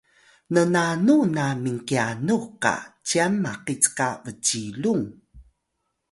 nnanu na minqyanux qa cyan cka bcilung?